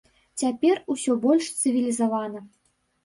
Цяпер усё больш цывілізавана.